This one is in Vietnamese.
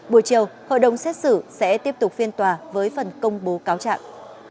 buổi chiều hội đồng xét xử sẽ tiếp tục phiên tòa với phần công bố cáo trạng